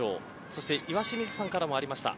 そして岩清水さんからもありました。